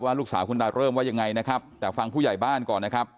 ลูกสาวคุณตาเริ่มว่ายังไงนะครับแต่ฟังผู้ใหญ่บ้านก่อนนะครับ